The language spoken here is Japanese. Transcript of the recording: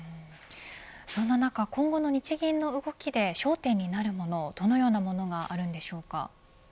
そんな中、今後の日銀の動きで焦点になるものはどのようなものがあるんでしょうか。